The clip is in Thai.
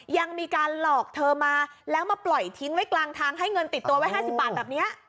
ยังมีการหลอกเธอมาแล้วมาปล่อยทิ้งไว้กลางทางให้เงินติดตัวไว้๕๐บาทแบบนี้